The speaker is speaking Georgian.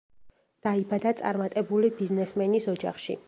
დაიბადა წარმატებული ბიზნესმენის ოჯახში.